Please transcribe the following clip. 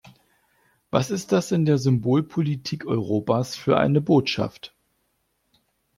Was ist das in der Symbolpolitik Europas für eine Botschaft?